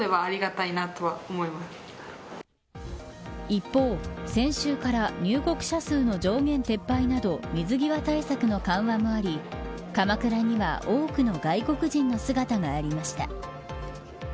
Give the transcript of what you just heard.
一方、先週から入国者数の上限撤廃など水際対策の緩和もあり鎌倉には多くの外国人の姿がありました。